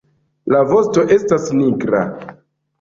La vosto estas nigra.